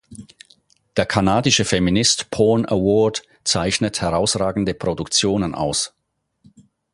Der kanadische Feminist Porn Award zeichnet herausragende Produktionen aus.